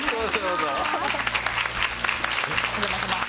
お邪魔します。